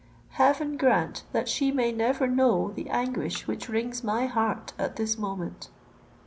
Heaven grant that she may never know the anguish which wrings my heart at this moment!"